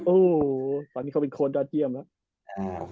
โอ้โหตอนนี้เขาเป็นโค้ดยอดเยี่ยมแล้ว